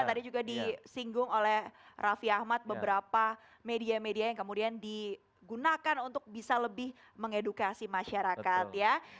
tadi juga disinggung oleh raffi ahmad beberapa media media yang kemudian digunakan untuk bisa lebih mengedukasi masyarakat ya